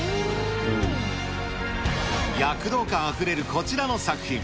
躍動感あふれるこちらの作品。